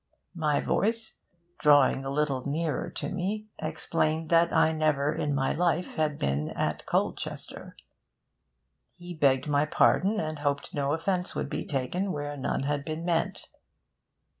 My voice, drawing a little nearer to me, explained that I had never in my life been at Colchester. He begged my pardon and hoped no offence would be taken where none had been meant.